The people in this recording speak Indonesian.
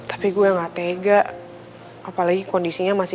appar serius nih